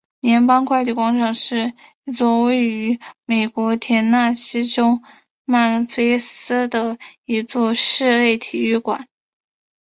联邦快递广场是一座位于美国田纳西州曼菲斯的一座室内体育馆。